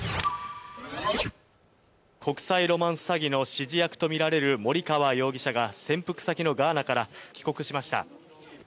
国際ロマンス詐欺の指示役とみられる森川容疑者が潜伏先のガーナから帰国しました。